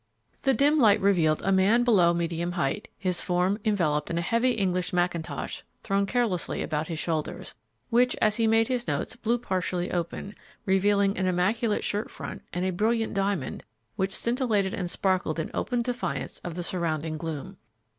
The dim light revealed a man below medium height, his form enveloped in a heavy English mackintosh thrown carelessly about his shoulders, which, as he made his notes, blew partially open, revealing an immaculate shirt front and a brilliant diamond which scintillated and sparkled in open defiance of the surrounding gloom.